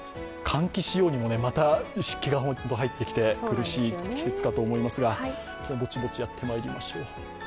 換気しようにも、また湿気が入ってきて苦しい季節かと思いますが、ぼちぼちやってまいりましょう。